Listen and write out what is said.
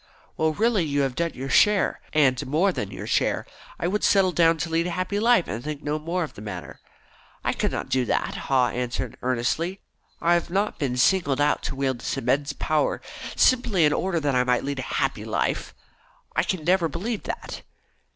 "Well, really you have done your share, and more than your share. I would settle down to lead a happy life, and think no more of the matter." "I could not do that," Haw answered earnestly. "I have not been singled out to wield this immense power simply in order that I might lead a happy life. I can never believe that.